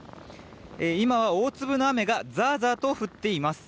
今は大粒の雨がザーザーと降っています。